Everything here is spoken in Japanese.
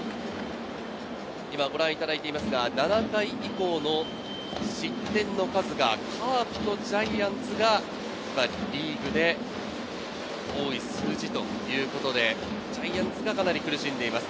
ご覧いただいていますが、７回以降の失点の数がカープとジャイアンツがリーグで多い数字ということで、ジャイアンツがかなり苦しんでいます。